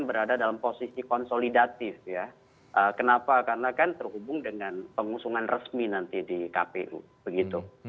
berada dalam posisi konsolidatif ya kenapa karena kan terhubung dengan pengusungan resmi nanti di kpu begitu